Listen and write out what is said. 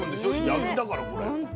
焼きだからこれ。